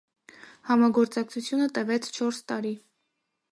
Համագործակցությունը տևեց չորս տարի։